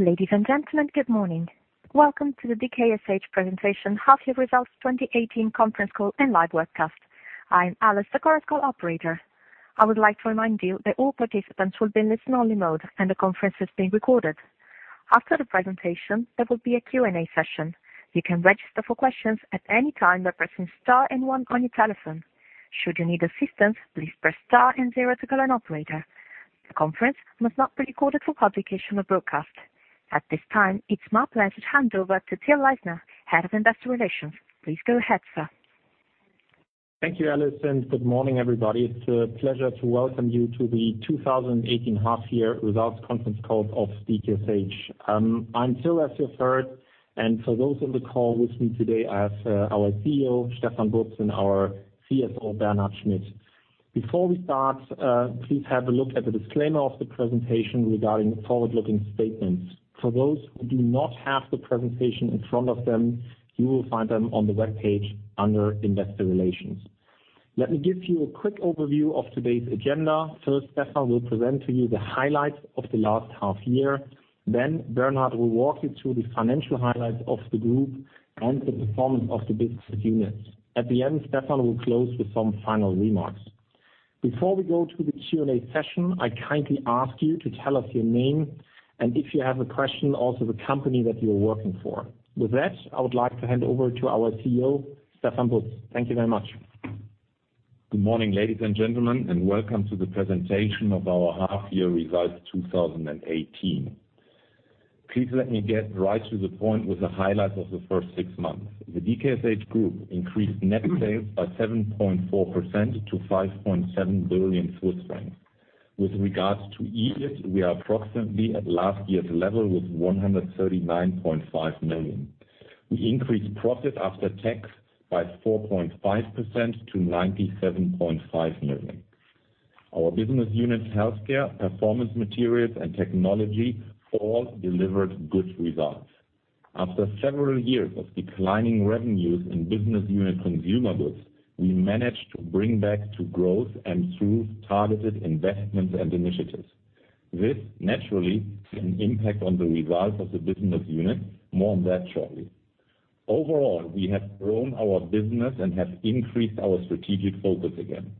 Ladies and gentlemen, good morning. Welcome to the DKSH presentation, half-year results 2018 conference call and live webcast. I am Alice, the call operator. I would like to remind you that all participants will be in listen-only mode and the conference is being recorded. After the presentation, there will be a Q&A session. You can register for questions at any time by pressing star and one on your telephone. Should you need assistance, please press star and zero to go to an operator. The conference must not be recorded for publication or broadcast. At this time, it is my pleasure to hand over to Till Leisner, Head of Investor Relations. Please go ahead, sir. Thank you, Alice, and good morning, everybody. It is a pleasure to welcome you to the 2018 half-year results conference call of DKSH. I'm Till, as you've heard, and for those on the call with me today, I have our CEO, Stefan Butz and our CFO, Bernhard Schmitt. Before we start, please have a look at the disclaimer of the presentation regarding forward-looking statements. For those who do not have the presentation in front of them, you will find them on the webpage under Investor Relations. Let me give you a quick overview of today's agenda. First, Stefan will present to you the highlights of the last half-year. Then Bernhard will walk you through the financial highlights of the group and the performance of the business units. At the end, Stefan will close with some final remarks. Before we go to the Q&A session, I kindly ask you to tell us your name and if you have a question, also the company that you are working for. With that, I would like to hand over to our CEO, Stefan Butz. Thank you very much. Good morning, ladies and gentlemen, and welcome to the presentation of our half-year results 2018. Please let me get right to the point with the highlights of the first six months. The DKSH Group increased net sales by 7.4% to 5.7 billion Swiss francs. With regards to EBIT, we are approximately at last year's level with 139.5 million. We increased profit after tax by 4.5% to 97.5 million. Our business units, Healthcare, Performance Materials, and Technology all delivered good results. After several years of declining revenues in business unit Consumer Goods, we managed to bring back to growth and through targeted investments and initiatives. This naturally had an impact on the results of the business unit. More on that shortly. Overall, we have grown our business and have increased our strategic focus again.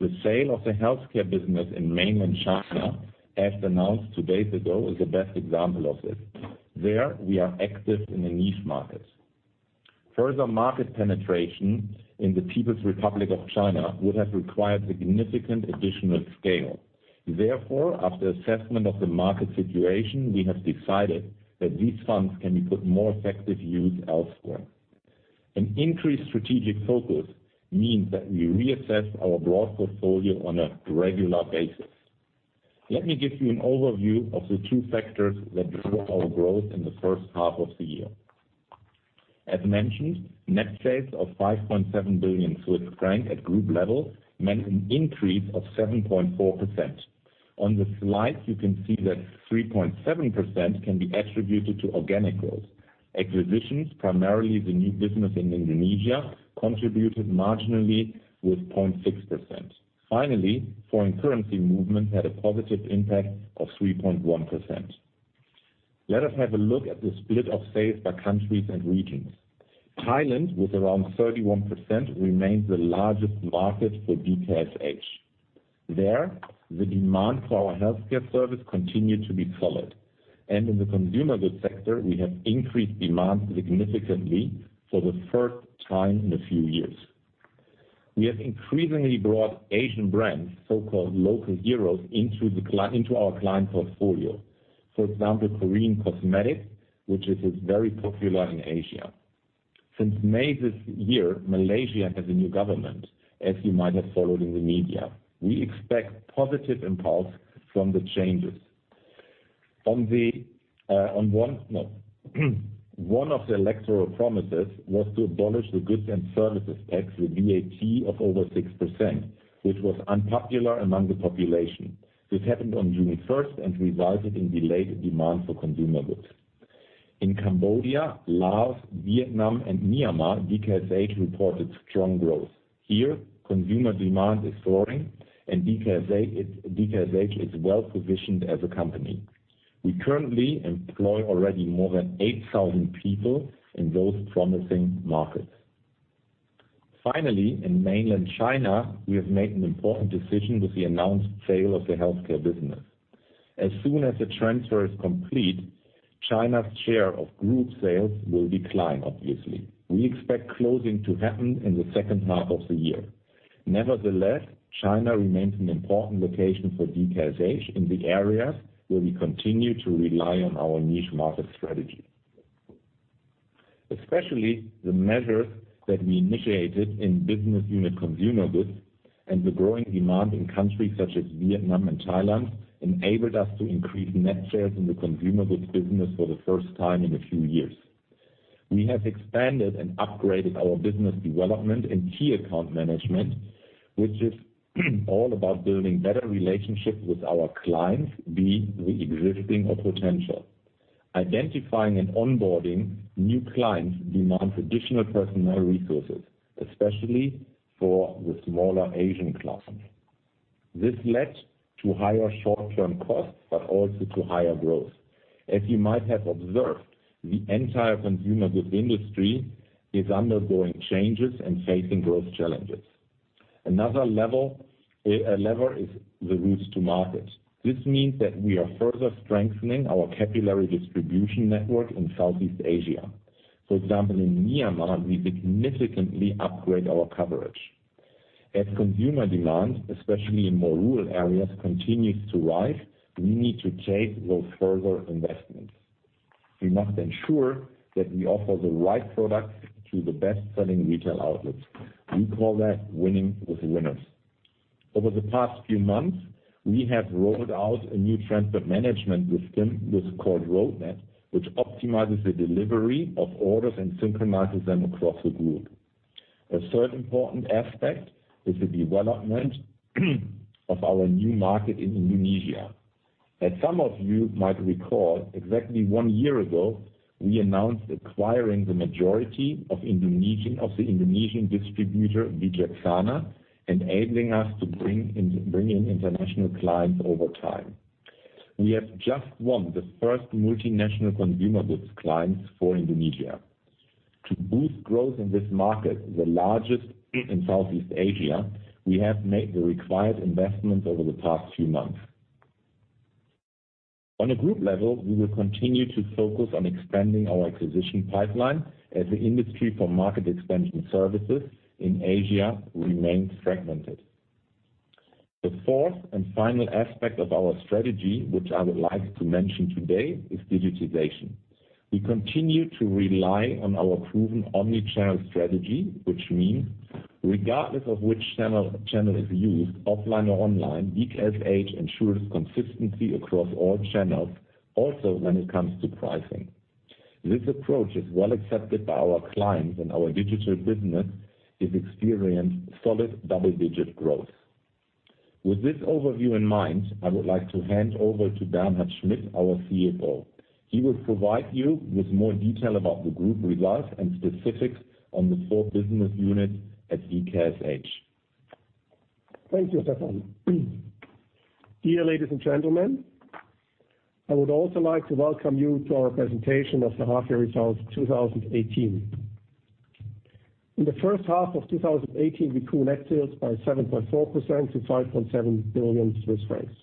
The sale of the Healthcare business in Mainland China, as announced two days ago, is the best example of this. There, we are active in a niche market. Further market penetration in the People's Republic of China would have required significant additional scale. Therefore, after assessment of the market situation, we have decided that these funds can be put more effective use elsewhere. An increased strategic focus means that we reassess our broad portfolio on a regular basis. Let me give you an overview of the two factors that drove our growth in the first half of the year. As mentioned, net sales of 5.7 billion Swiss francs at group level meant an increase of 7.4%. On the slide, you can see that 3.7% can be attributed to organic growth. Acquisitions, primarily the new business in Indonesia, contributed marginally with 0.6%. Foreign currency movement had a positive impact of 3.1%. Let us have a look at the split of sales by countries and regions. Thailand, with around 31%, remains the largest market for DKSH. There, the demand for our Healthcare service continued to be solid, and in the Consumer Goods sector, we have increased demand significantly for the first time in a few years. We have increasingly brought Asian brands, so-called local heroes, into our client portfolio. For example, Korean cosmetics, which is very popular in Asia. Since May this year, Malaysia has a new government, as you might have followed in the media. We expect positive impulse from the changes. One of the electoral promises was to abolish the goods and services tax, the VAT of over 6%, which was unpopular among the population. This happened on June 1st and resulted in delayed demand for Consumer Goods. In Cambodia, Laos, Vietnam, and Myanmar, DKSH reported strong growth. Here, consumer demand is soaring and DKSH is well-positioned as a company. We currently employ already more than 8,000 people in those promising markets. Finally, in Mainland China, we have made an important decision with the announced sale of the Healthcare business. As soon as the transfer is complete, China's share of group sales will decline, obviously. Nevertheless, China remains an important location for DKSH in the areas where we continue to rely on our niche market strategy. Especially the measures that we initiated in Business Unit Consumer Goods and the growing demand in countries such as Vietnam and Thailand enabled us to increase net sales in the Consumer Goods business for the first time in a few years. We have expanded and upgraded our business development and key account management, which is all about building better relationships with our clients, be they existing or potential. Identifying and onboarding new clients demands additional personnel resources, especially for the smaller Asian clusters. This led to higher short-term costs, but also to higher growth. As you might have observed, the entire Consumer Goods industry is undergoing changes and facing growth challenges. Another lever is the routes to market. This means that we are further strengthening our capillary distribution network in Southeast Asia. For example, in Myanmar, we significantly upgrade our coverage. As consumer demand, especially in more rural areas, continues to rise, we need to take those further investments. We must ensure that we offer the right products to the best-selling retail outlets. We call that winning with the winners. Over the past few months, we have rolled out a new transport management system called Roadnet, which optimizes the delivery of orders and synchronizes them across the group. A third important aspect is the development of our new market in Indonesia. As some of you might recall, exactly one year ago, we announced acquiring the majority of the Indonesian distributor, Wicaksana, enabling us to bring in international clients over time. We have just won the first multinational Consumer Goods clients for Indonesia. To boost growth in this market, the largest in Southeast Asia, we have made the required investments over the past few months. On a group level, we will continue to focus on expanding our acquisition pipeline as the industry for market expansion services in Asia remains fragmented. The fourth and final aspect of our strategy, which I would like to mention today, is digitization. We continue to rely on our proven omni-channel strategy, which means regardless of which channel is used, offline or online, DKSH ensures consistency across all channels also when it comes to pricing. This approach is well accepted by our clients, and our digital business is experienced solid double-digit growth. With this overview in mind, I would like to hand over to Bernhard Schmitt, our CFO. He will provide you with more detail about the group results and specifics on the four business units at DKSH. Thank you, Stefan. Dear ladies and gentlemen, I would also like to welcome you to our presentation of the half-year results 2018. In the first half of 2018, we grew net sales by 7.4% to 5.7 billion Swiss francs.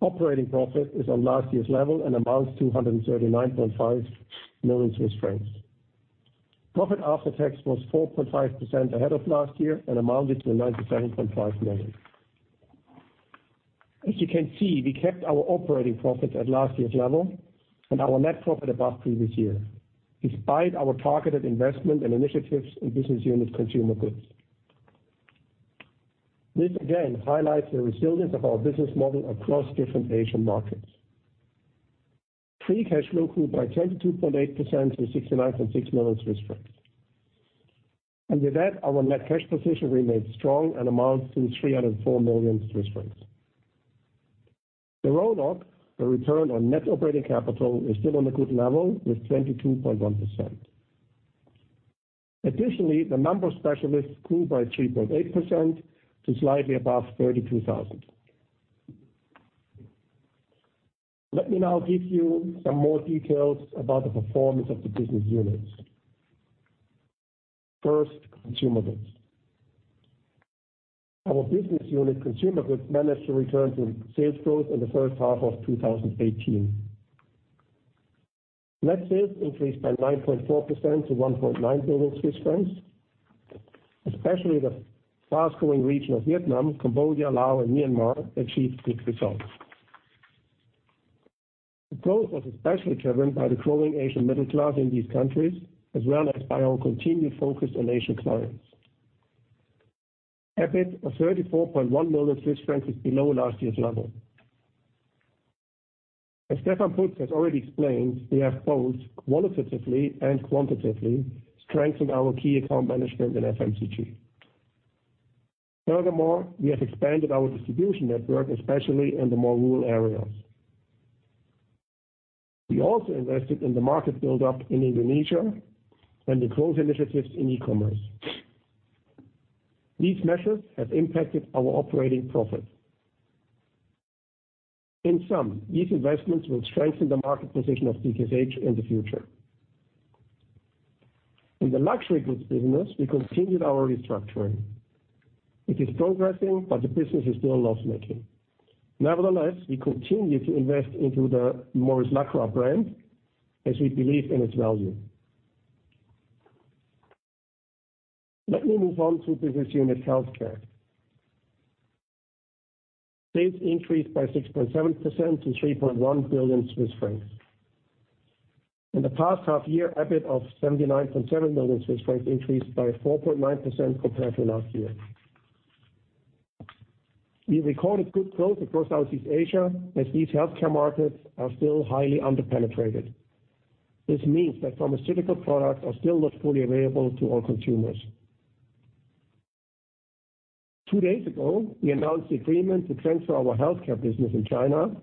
Operating profit is on last year's level and amounts to 139.5 million Swiss francs. Profit after tax was 4.5% ahead of last year and amounted to 97.5 million. As you can see, we kept our operating profit at last year's level and our net profit above previous year, despite our targeted investment and initiatives in business unit Consumer Goods. This again highlights the resilience of our business model across different Asian markets. Free cash flow grew by 22.8% to 69.6 million Swiss francs. With that, our net cash position remains strong and amounts to 304 million Swiss francs. The RONC, the return on net operating capital, is still on a good level with 22.1%. Additionally, the number of specialists grew by 3.8% to slightly above 32,000. Let me now give you some more details about the performance of the business units. First, Consumer Goods. Our business unit, Consumer Goods, managed to return to sales growth in the first half of 2018. Net sales increased by 9.4% to 1.9 billion Swiss francs. Especially the fast-growing region of Vietnam, Cambodia, Laos, and Myanmar achieved good results. The growth was especially driven by the growing Asian middle class in these countries, as well as by our continued focus on Asian clients. EBIT of 34.1 million Swiss francs is below last year's level. As Stefan Butz has already explained, we have both qualitatively and quantitatively strengthened our key account management in FMCG. Furthermore, we have expanded our distribution network, especially in the more rural areas. We also invested in the market build-up in Indonesia and in growth initiatives in e-commerce. These measures have impacted our operating profit. In sum, these investments will strengthen the market position of DKSH in the future. In the luxury goods business, we continued our restructuring. It is progressing, but the business is still loss-making. Nevertheless, we continue to invest into the Maurice Lacroix brand as we believe in its value. Let me move on to Business Unit Healthcare. Sales increased by 6.7% to 3.1 billion Swiss francs. In the past half year, EBIT of 79.7 million Swiss francs increased by 4.9% compared to last year. We recorded good growth across Southeast Asia as these Healthcare markets are still highly under-penetrated. This means that pharmaceutical products are still not fully available to all consumers. Two days ago, we announced the agreement to transfer our Healthcare business in China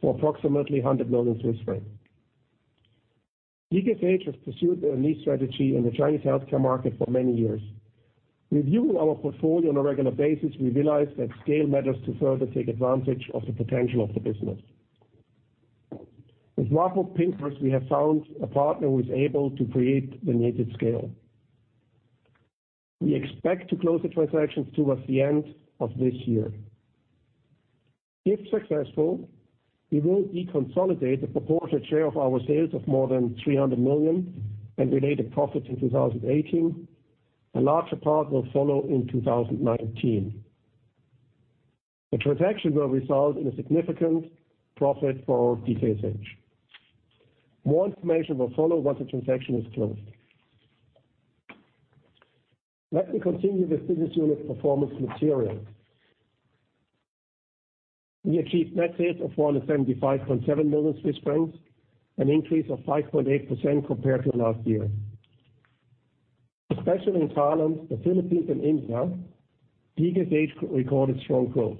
for approximately 100 million Swiss francs. DKSH has pursued a niche strategy in the Chinese Healthcare market for many years. Reviewing our portfolio on a regular basis, we realized that scale matters to further take advantage of the potential of the business. With Warburg Pincus, we have found a partner who is able to create the needed scale. We expect to close the transaction towards the end of this year. If successful, we will deconsolidate the proportionate share of our sales of more than 300 million and related profits in 2018. A larger part will follow in 2019. The transaction will result in a significant profit for DKSH. More information will follow once the transaction is closed. Let me continue with Business Unit Performance Materials. We achieved net sales of 475.7 million Swiss francs, an increase of 5.8% compared to last year. Especially in Thailand, the Philippines and India, DKSH recorded strong growth.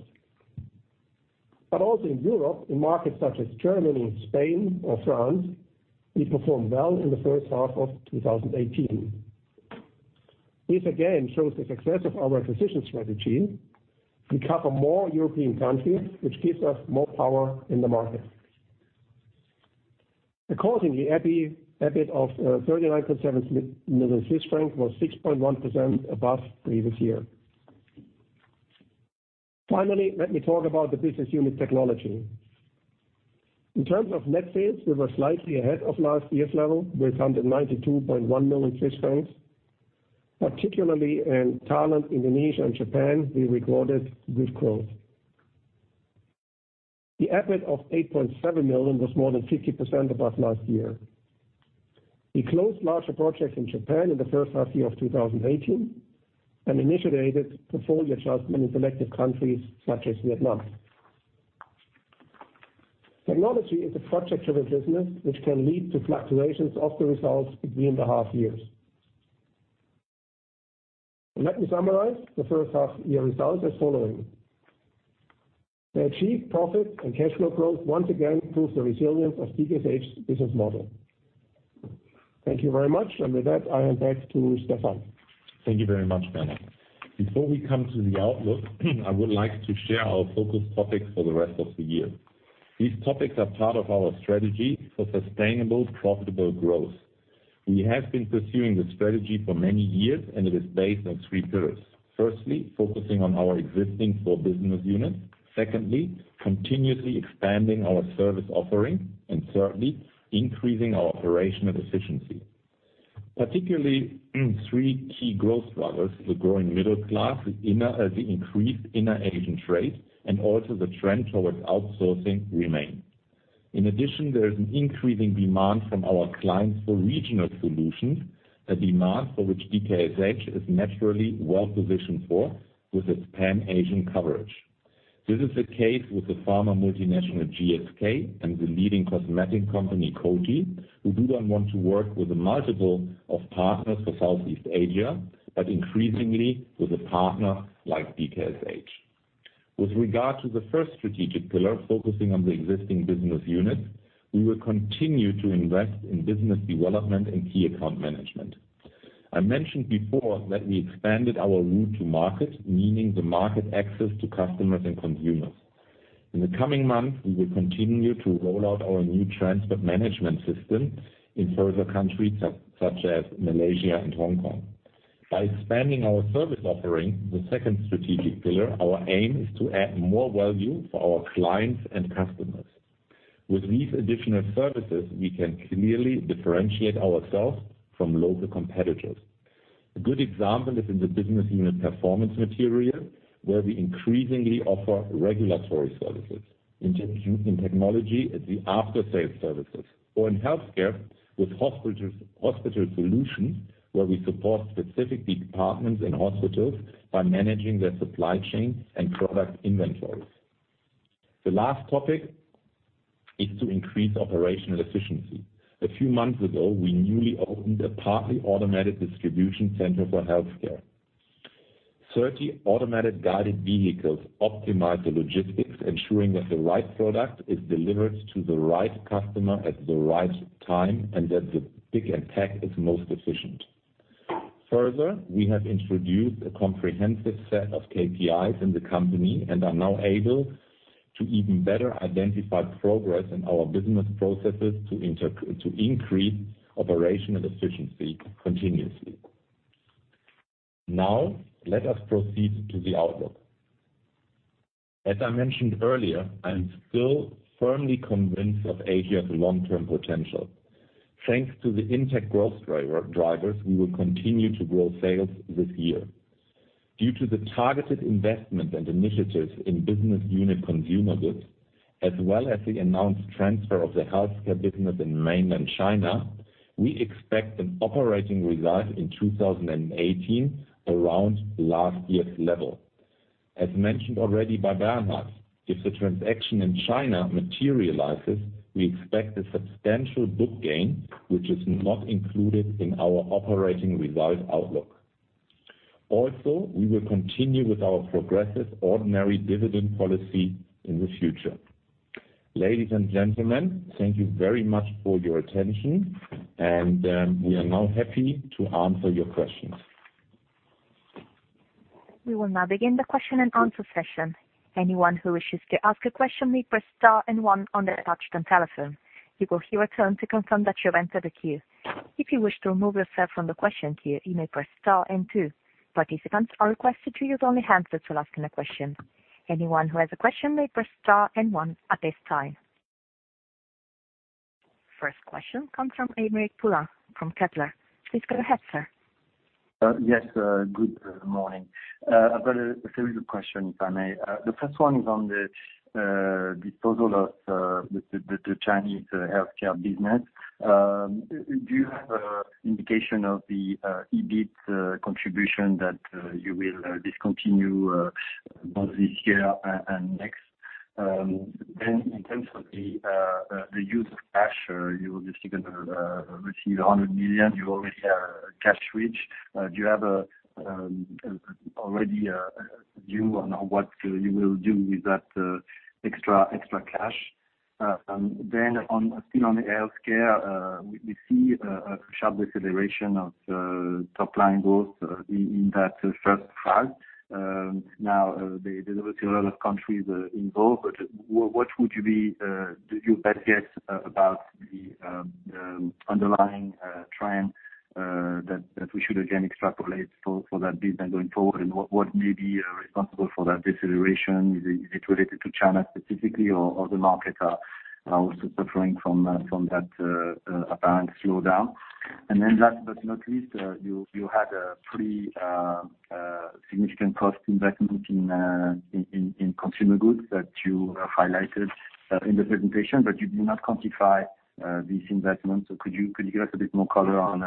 Also in Europe, in markets such as Germany, Spain or France, we performed well in the first half of 2018. This again shows the success of our acquisition strategy. We cover more European countries, which gives us more power in the market. Accordingly, EBIT of 39.7 million Swiss francs was 6.1% above previous year. Finally, let me talk about the Business Unit Technology. In terms of net sales, we were slightly ahead of last year's level with 192.1 million. Particularly in Thailand, Indonesia and Japan, we recorded good growth. The EBIT of 8.7 million was more than 50% above last year. We closed larger projects in Japan in the first half year of 2018 and initiated portfolio adjustment in selected countries such as Vietnam. Technology is a project-driven business which can lead to fluctuations of the results between the half years. Let me summarize the first half year results as following. The achieved profit and cash flow growth once again proves the resilience of DKSH's business model. Thank you very much, and with that, I hand back to Stefan. Thank you very much, Bernhard. Before we come to the outlook, I would like to share our focus topics for the rest of the year. These topics are part of our strategy for sustainable, profitable growth. We have been pursuing this strategy for many years. It is based on three pillars. Firstly, focusing on our existing four business units. Secondly, continuously expanding our service offering. Thirdly, increasing our operational efficiency. Particularly three key growth drivers, the growing middle class, the increased inner Asian trade, and also the trend towards outsourcing remain. In addition, there is an increasing demand from our clients for regional solutions, a demand for which DKSH is naturally well-positioned for with its Pan-Asian coverage. This is the case with the pharma multinational GSK and the leading cosmetic company Coty, who do not want to work with a multiple of partners for Southeast Asia, but increasingly with a partner like DKSH. With regard to the first strategic pillar, focusing on the existing business units, we will continue to invest in business development and key account management. I mentioned before that we expanded our route to market, meaning the market access to customers and consumers. In the coming months, we will continue to roll out our new transport management system in further countries such as Malaysia and Hong Kong. By expanding our service offering, the second strategic pillar, our aim is to add more value for our clients and customers. With these additional services, we can clearly differentiate ourselves from local competitors. A good example is in the business unit Performance Materials, where we increasingly offer regulatory services. In Technology is the after-sales services. In Healthcare with hospital solutions, where we support specific departments in hospitals by managing their supply chain and product inventories. The last topic is to increase operational efficiency. A few months ago, we newly opened a partly automated distribution center for Healthcare. 30 automatic guided vehicles optimize the logistics, ensuring that the right product is delivered to the right customer at the right time, and that the pick and pack is most efficient. Further, we have introduced a comprehensive set of KPIs in the company and are now able to even better identify progress in our business processes to increase operational efficiency continuously. Let us proceed to the outlook. As I mentioned earlier, I am still firmly convinced of Asia's long-term potential. Thanks to the intact growth drivers, we will continue to grow sales this year. Due to the targeted investment and initiatives in business unit Consumer Goods, as well as the announced transfer of the Healthcare business in mainland China, we expect an operating result in 2018 around last year's level. As mentioned already by Bernhard, if the transaction in China materializes, we expect a substantial book gain, which is not included in our operating result outlook. We will continue with our progressive ordinary dividend policy in the future. Ladies and gentlemen, thank you very much for your attention. We are now happy to answer your questions. We will now begin the question and answer session. Anyone who wishes to ask a question may press star and one on their touch-tone telephone. You will hear a tone to confirm that you have entered the queue. If you wish to remove yourself from the question queue, you may press star and two. Participants are requested to use only handset to ask a question. Anyone who has a question may press star and one at this time. First question comes from Aymeric Poulain from Kepler. Please go ahead, sir. Yes. Good morning. I've got a series of questions, if I may. The first one is on the disposal of the Chinese Healthcare business. Do you have an indication of the EBIT contribution that you will discontinue both this year and next? In terms of the use of cash, you will basically receive 100 million. You already are cash rich. Do you have already a view on what you will do with that extra cash? Still on the Healthcare, we see a sharp deceleration of top-line growth in that first half. Now, there's obviously a lot of countries involved, but what would you best guess about the underlying trend that we should again extrapolate for that business going forward, and what may be responsible for that deceleration? Is it related to China specifically, or other markets are also suffering from that apparent slowdown? Last but not least, you had a pretty significant cost investment in Consumer Goods that you highlighted in the presentation, but you did not quantify this investment. Could you give us a bit more color on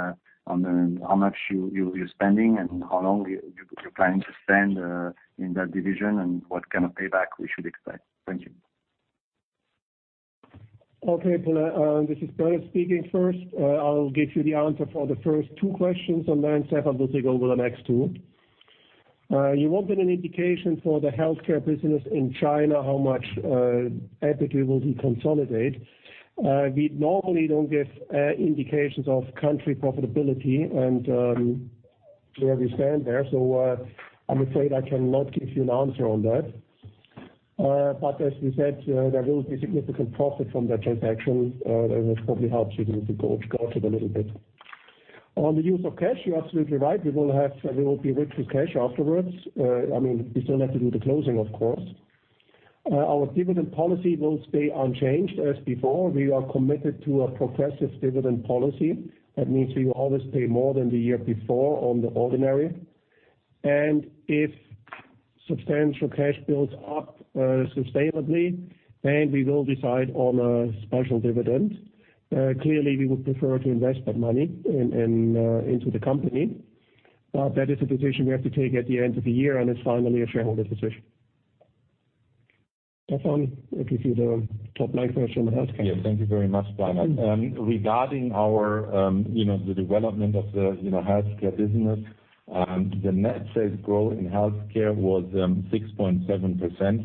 how much you're spending and how long you're planning to spend in that division and what kind of payback we should expect? Thank you. Okay, Poulain. This is Bernhard speaking first. I'll give you the answer for the first two questions. Stefan will take over the next two. You wanted an indication for the Healthcare business in China, how much EBIT we will deconsolidate. We normally don't give indications of country profitability and where we stand there, so I'm afraid I cannot give you an answer on that. As we said, there will be significant profit from that transaction, and this probably helps you to gauge it a little bit. On the use of cash, you're absolutely right. We will be rich with cash afterwards. We still have to do the closing, of course. Our dividend policy will stay unchanged as before. We are committed to a progressive dividend policy. Means we will always pay more than the year before on the ordinary. If substantial cash builds up sustainably, we will decide on a special dividend. Clearly, we would prefer to invest that money into the company. That is a decision we have to take at the end of the year, and it's finally a shareholder decision. Stefan, if you see the top line question on Healthcare. Yes. Thank you very much, Bernhard. Regarding the development of the Healthcare business, the net sales growth in Healthcare was 6.7%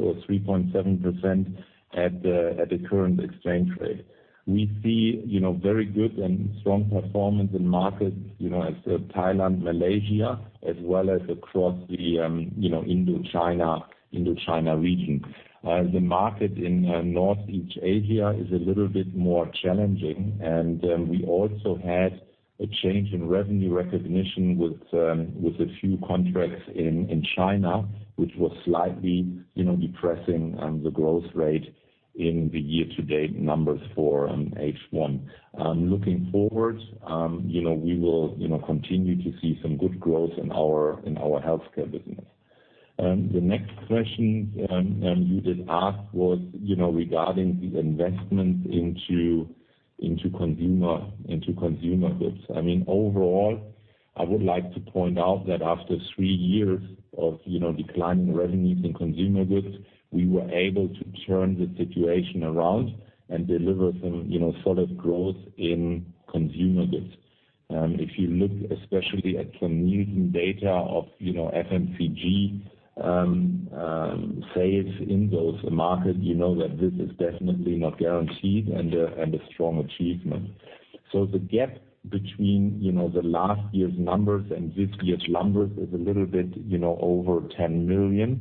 or 3.7% at the current exchange rate. We see very good and strong performance in markets as Thailand, Malaysia, as well as across the Indo-China region. The market in Northeast Asia is a little bit more challenging, and we also had a change in revenue recognition with a few contracts in China, which was slightly depressing the growth rate in the year-to-date numbers for H1. Looking forward, we will continue to see some good growth in our Healthcare business. The next question you did ask was regarding the investment into Consumer Goods. Overall, I would like to point out that after three years of declining revenues in Consumer Goods, we were able to turn the situation around and deliver some solid growth in Consumer Goods. If you look especially at some recent data of FMCG sales in those markets, you know that this is definitely not guaranteed and a strong achievement. The gap between the last year's numbers and this year's numbers is a little bit over 10 million.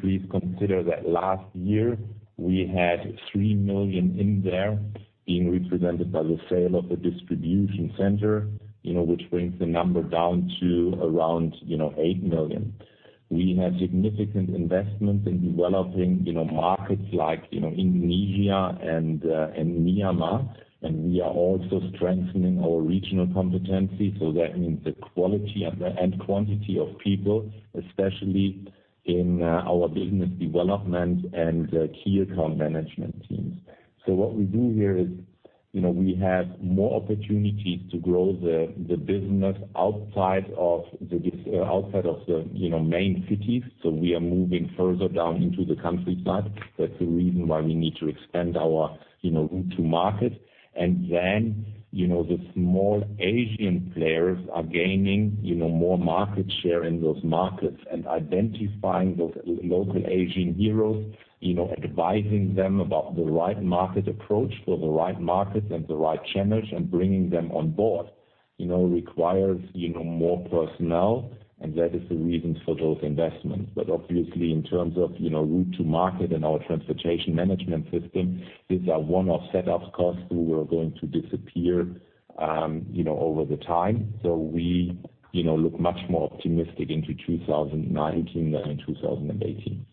Please consider that last year we had 3 million in there being represented by the sale of a distribution center which brings the number down to around 8 million. We have significant investments in developing markets like Indonesia and Myanmar, we are also strengthening our regional competency. That means the quality and quantity of people, especially in our business development and key account management teams. What we do here is, we have more opportunities to grow the business outside of the main cities. We are moving further down into the countryside. That's the reason why we need to expand our route to market. The small Asian players are gaining more market share in those markets and identifying those local Asian heroes, advising them about the right market approach for the right market and the right channels and bringing them on board requires more personnel, that is the reason for those investments. Obviously in terms of route to market and our transportation management system, these are one-off set up costs who are going to disappear over the time. We look much more optimistic into 2019 than in 2018.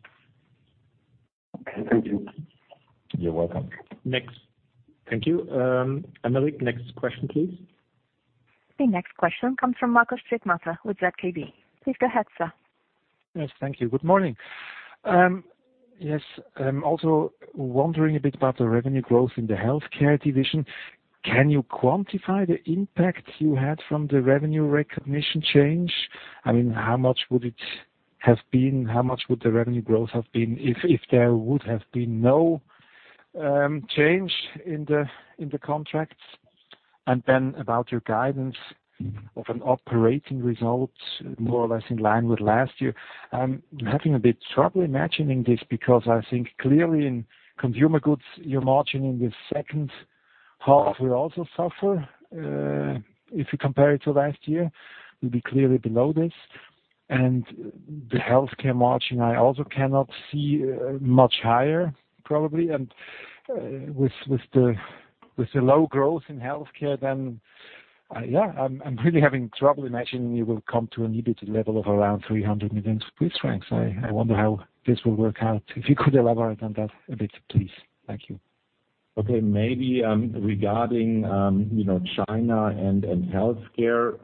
Okay, thank you. You're welcome. Next. Thank you. Alice, next question, please. The next question comes from Markus [Stigmatter] with ZKB. Please go ahead, sir. Thank you. Good morning. I'm also wondering a bit about the revenue growth in the Healthcare division. Can you quantify the impact you had from the revenue recognition change? How much would it have been, how much would the revenue growth have been if there would have been no change in the contracts? About your guidance of an operating result more or less in line with last year. I'm having a bit trouble imagining this because I think clearly in Consumer Goods, your margin in the second half will also suffer. If you compare it to last year, you'll be clearly below this. The Healthcare margin, I also cannot see much higher probably. With the low growth in Healthcare then, I'm really having trouble imagining you will come to an EBITDA level of around 300 million Swiss francs. I wonder how this will work out. If you could elaborate on that a bit, please. Thank you. Maybe regarding China and Healthcare,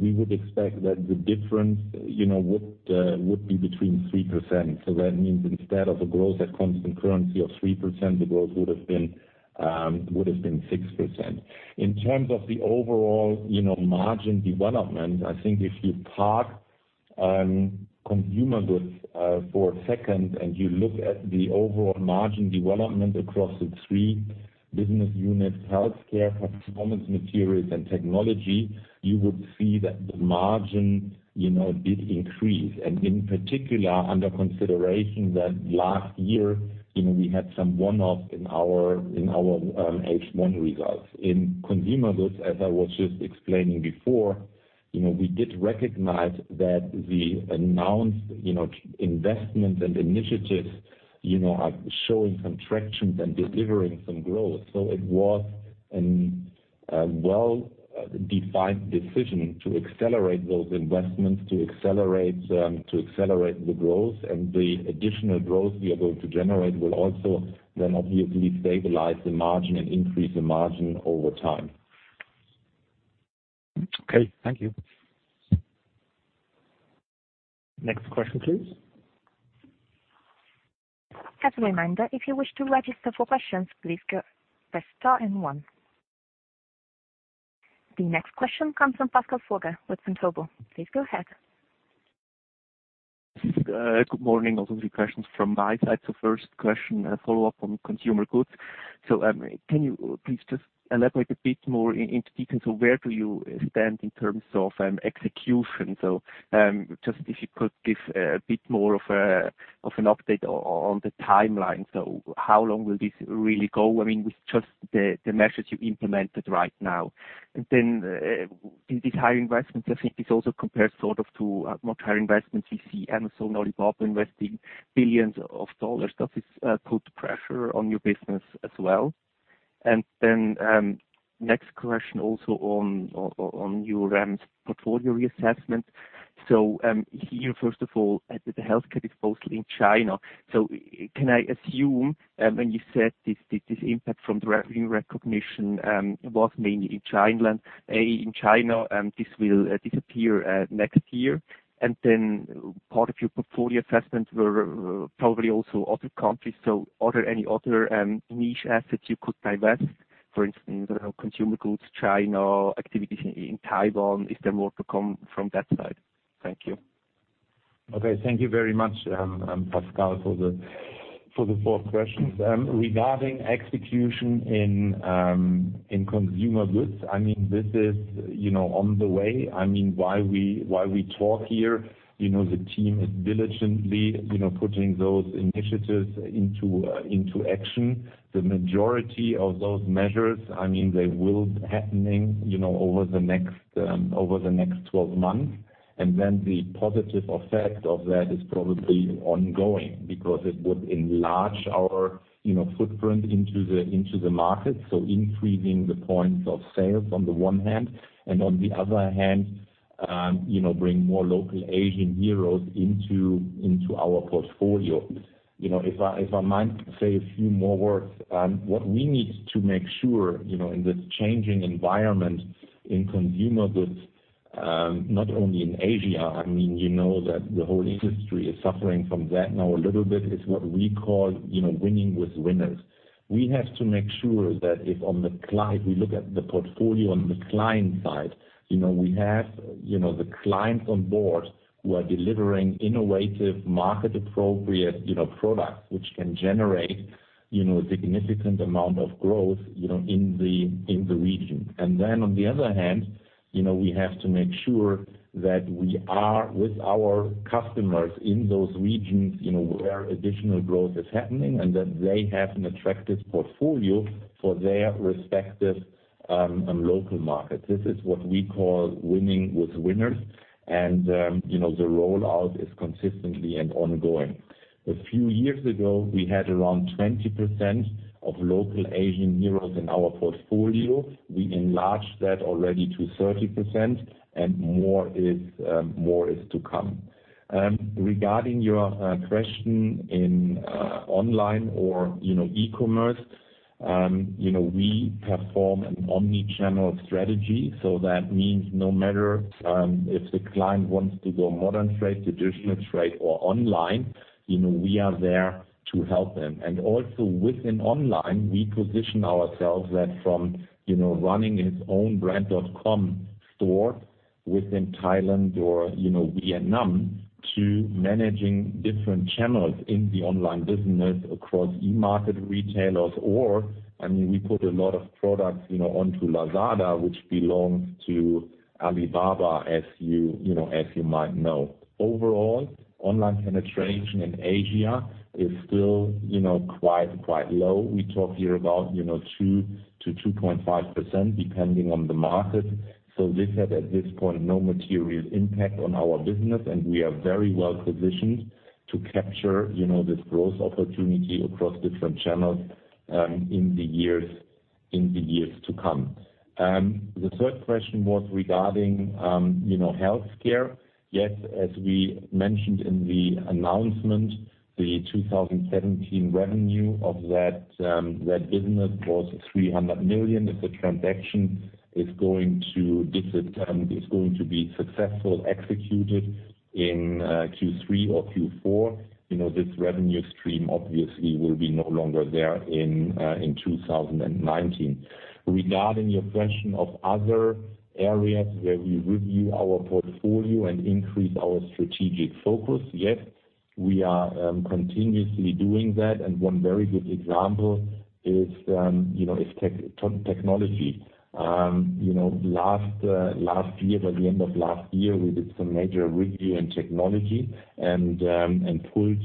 we would expect that the difference would be between 3%. That means instead of a growth at constant currency of 3%, the growth would have been 6%. In terms of the overall margin development, I think if you park Consumer Goods for a second and you look at the overall margin development across the three business units, Healthcare, Performance Materials, and Technology, you would see that the margin did increase. In particular, under consideration that last year, we had some one-off in our H1 results. In Consumer Goods, as I was just explaining before, we did recognize that the announced investments and initiatives are showing some traction and delivering some growth. It was a well-defined decision to accelerate those investments, to accelerate the growth. The additional growth we are going to generate will also then obviously stabilize the margin and increase the margin over time. Okay. Thank you. Next question, please. As a reminder, if you wish to register for questions, please press star and one. The next question comes from Pascal Furger with Vontobel. Please go ahead. Good morning. Also three questions from my side. First question, a follow-up on Consumer Goods. Can you please just elaborate a bit more into detail, where do you stand in terms of execution? Just if you could give a bit more of an update on the timeline. How long will this really go? I mean, with just the measures you implemented right now. In these high investments, I think this also compares sort of to much higher investments. You see Amazon, Alibaba investing billions of dollars. Does this put pressure on your business as well? Next question also on your brands portfolio reassessment. Here, first of all, the Healthcare is mostly in China. Can I assume when you said this impact from the revenue recognition, was mainly in China, and this will disappear next year? Part of your portfolio assessments were probably also other countries. Are there any other niche assets you could divest, for instance, Consumer Goods, China, activities in Taiwan? Is there more to come from that side? Thank you. Okay. Thank you very much, Pascal, for the four questions. Regarding execution in Consumer Goods, this is on the way. I mean, while we talk here, the team is diligently putting those initiatives into action. The majority of those measures, they will be happening over the next 12 months. The positive effect of that is probably ongoing because it would enlarge our footprint into the market, so increasing the points of sales on the one hand, and on the other hand, bring more local Asian heroes into our portfolio. If I might say a few more words, what we need to make sure in this changing environment in Consumer Goods, not only in Asia. You know that the whole industry is suffering from that now a little bit. It's what we call winning with winners. We have to make sure that if we look at the portfolio on the client side, we have the clients on board who are delivering innovative, market-appropriate products, which can generate a significant amount of growth in the region. On the other hand, we have to make sure that we are with our customers in those regions, where additional growth is happening, and that they have an attractive portfolio for their respective and local market. This is what we call winning with winners. The rollout is consistently and ongoing. A few years ago, we had around 20% of local Asian heroes in our portfolio. We enlarged that already to 30%, and more is to come. Regarding your question in online or e-commerce, we perform an omni-channel strategy. That means no matter if the client wants to go modern trade, traditional trade, or online, we are there to help them. Also within online, we position ourselves that from running its own brand.com store within Thailand or Vietnam to managing different channels in the online business across e-market retailers or, we put a lot of products onto Lazada, which belongs to Alibaba, as you might know. Overall, online penetration in Asia is still quite low. We talk here about 2%-2.5%, depending on the market. This had, at this point, no material impact on our business, and we are very well positioned to capture this growth opportunity across different channels in the years to come. The third question was regarding Healthcare. Yes, as we mentioned in the announcement, the 2017 revenue of that business was 300 million. If the transaction is going to be successfully executed in Q3 or Q4, this revenue stream obviously will be no longer there in 2019. Regarding your question of other areas where we review our portfolio and increase our strategic focus, yes, we are continuously doing that, and one very good example is Technology. At the end of last year, we did some major review in Technology and pulled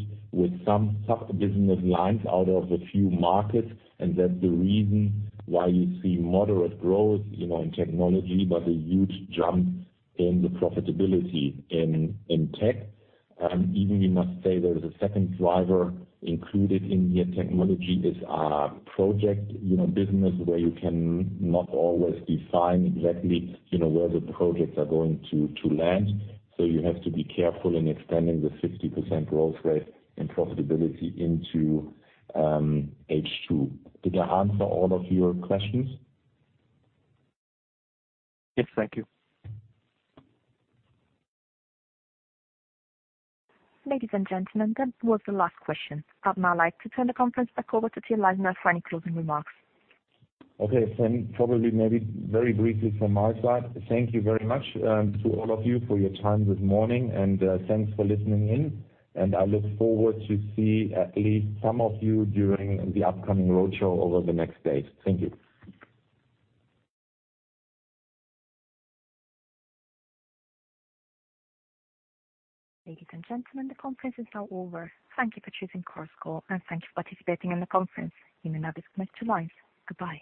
some business lines out of a few markets, and that's the reason why you see moderate growth in Technology, but a huge jump in the profitability in tech. Even we must say there is a second driver included in here. Technology is a project business where you cannot always define exactly where the projects are going to land. You have to be careful in extending the 60% growth rate and profitability into H2. Did I answer all of your questions? Yes. Thank you. Ladies and gentlemen, that was the last question. I'd now like to turn the conference back over to Till Leisner for any closing remarks. Okay. Probably, maybe very briefly from my side, thank you very much to all of you for your time this morning, and thanks for listening in. I look forward to see at least some of you during the upcoming roadshow over the next days. Thank you. Ladies and gentlemen, the conference is now over. Thank you for choosing Chorus Call, and thank you for participating in the conference. You may now disconnect your lines. Goodbye.